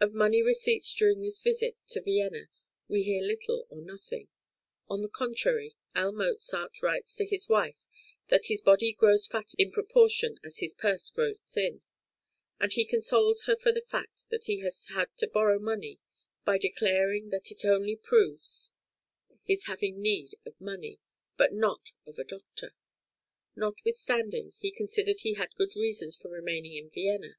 Of money receipts during this visit to Vienna we hear little or nothing; on the contrary, L. Mozart writes to his wife that his body grows fat in proportion as his purse grows thin; and he consoles her for the fact that he has had to borrow money by declaring that it only proves his having need of money, but not of a doctor. Notwithstanding, he considered he had good reasons for remaining in Vienna.